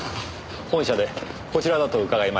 本社でこちらだと伺いまして。